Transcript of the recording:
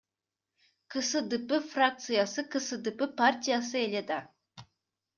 КСДП фракциясы — КСДП партиясы эле да.